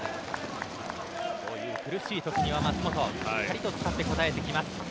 こういう苦しいときには舛本しっかりと使って応えてきます。